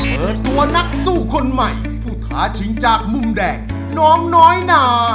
เปิดตัวนักสู้คนใหม่ผู้ท้าชิงจากมุมแดงน้องน้อยนา